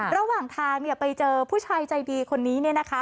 ระหว่างทางเนี่ยไปเจอผู้ชายใจดีคนนี้เนี่ยนะคะ